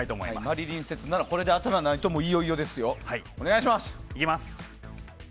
マリリン説ならこれで当たらないといよいよですよ。